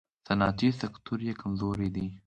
صنعتي سکتور یې کمزوری دی.